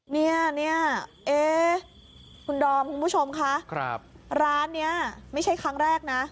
เนี่ยเอ๊คุณดอมคุณผู้ชมคะร้านนี้ไม่ใช่ครั้งแรกนะ